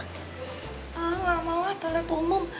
ah enggak maulah toilet umum